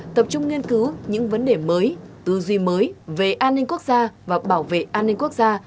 tập trung nghiên cứu những vấn đề mới tư duy mới về an ninh quốc gia và bảo vệ an ninh quốc gia